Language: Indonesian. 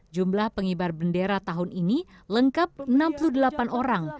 jumlah pengibar bendera tahun ini lengkap enam puluh delapan orang